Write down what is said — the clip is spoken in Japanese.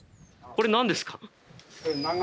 これ何ですか？